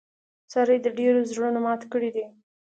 سارې د ډېرو زړونه مات کړي دي.